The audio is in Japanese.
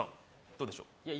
どうでしょういや